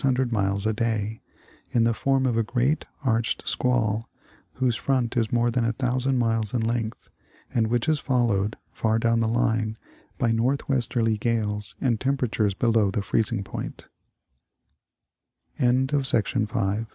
rate of about 600 miles a day, in the form of a great arched squall whose front is more than a thousand miles in length, and which is followed, far down the line, by northwesterly gales and tem peratures below the freezing po